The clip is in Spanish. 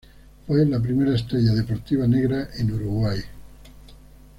Fue la primera estrella deportiva negra en Uruguay.